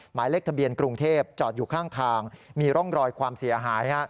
หมายเลขทะเบียนกรุงเทพจอดอยู่ข้างทางมีร่องรอยความเสียหาย